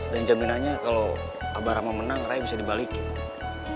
dan jaminannya kalau abarama menang raya bisa dibalikin